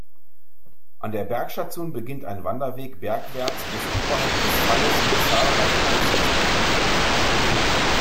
An der Bergstation beginnt ein Wanderweg bergwärts bis oberhalb des Falles mit zahlreichen Aussichtspunkten.